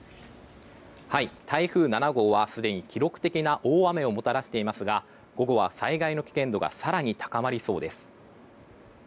台風７号はすでに記録的な大雨をもたらしていますが午後は災害の危険度が更に高まりそうです。